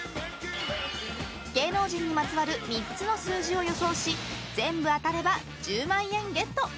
芸能人にまつわる３つの数字を予想し全部当たれば１０万円ゲット。